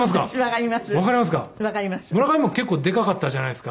村上も結構でかかったじゃないですか。